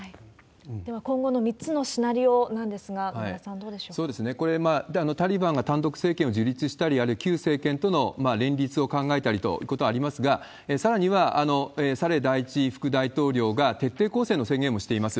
では今後の３つのシナリオなんですが、野村さんどうでしょうこれ、タリバンが単独政権を樹立したり、あるいは旧政権との連立を考えたりということはありますが、さらには、サレー第１副大統領が徹底抗戦の宣言もしています。